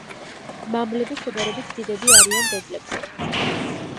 მამლები შედარებით დიდები არიან დედლებზე.